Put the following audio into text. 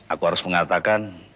aku harus mengatakan